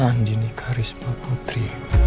andin karisma putri